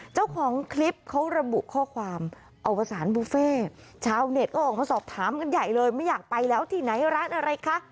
เจ้าของคลิปเขาระบุข้อความอวสารบุฟเฟ่ชาวเน็ตก็ออกมาสอบถามกันใหญ่เลยไม่อยากไปแล้วที่ไหนร้านอะไรคะ